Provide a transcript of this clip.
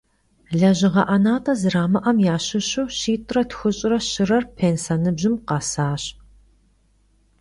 Lejığe 'enat'e zeramı'em yaşışu şit're txuş're şırer pênse nıbjım khesaş.